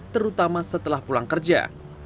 terutama setelah pulang kerja